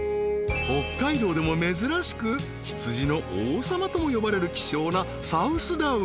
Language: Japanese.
［北海道でも珍しく羊の王様とも呼ばれる希少なサウスダウン］